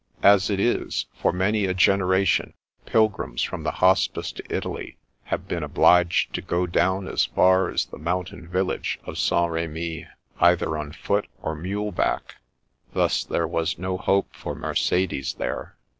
As it is, for many a generation pilgrims from the Hospice to Italy have been obliged to go down as far as the mountain village of St. Rhemy either on foot or mule back; thus there was no hope for Mercedes there.